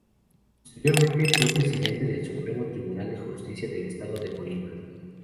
Posteriormente, fue Presidente del Supremo Tribunal de Justicia del Estado de Colima.